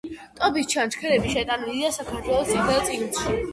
ტობის ჩანჩქერები შეტანილია საქართველოს „წითელ წიგნში“.